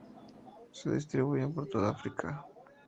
Se distribuyen por toda África.